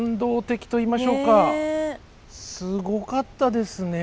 すごかったですね。